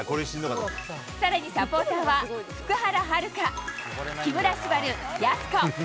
さらにサポーターは、福原遥、木村昴、やす子。